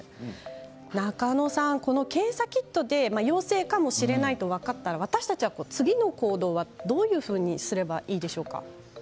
中野さん、この検査キットで陽性かもしれないと分かったら私たちは次の行動はどうすればいいでしょうか。